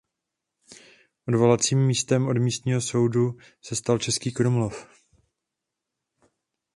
Odvolacím místem od místního soudu se stal Český Krumlov.